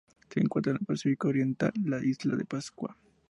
Se encuentra en el Pacífico oriental: la Isla de Pascua.